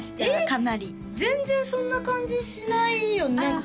かなり全然そんな感じしないよねああ